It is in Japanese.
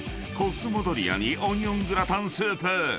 コスモドリアにオニオングラタンスープ］